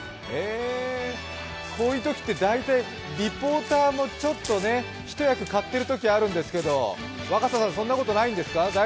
こういうときって大体、リポーターも一役買ってるときあるんですけど、若狭さん、そんなことないんですか？